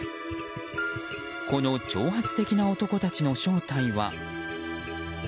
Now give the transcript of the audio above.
この挑発的な男たちの正体は。